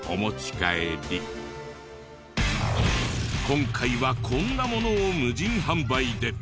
今回はこんなものを無人販売で。